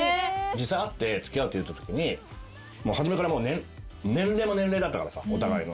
実際会って付き合うって言ったときにもう初めから年齢も年齢だったからさお互いの。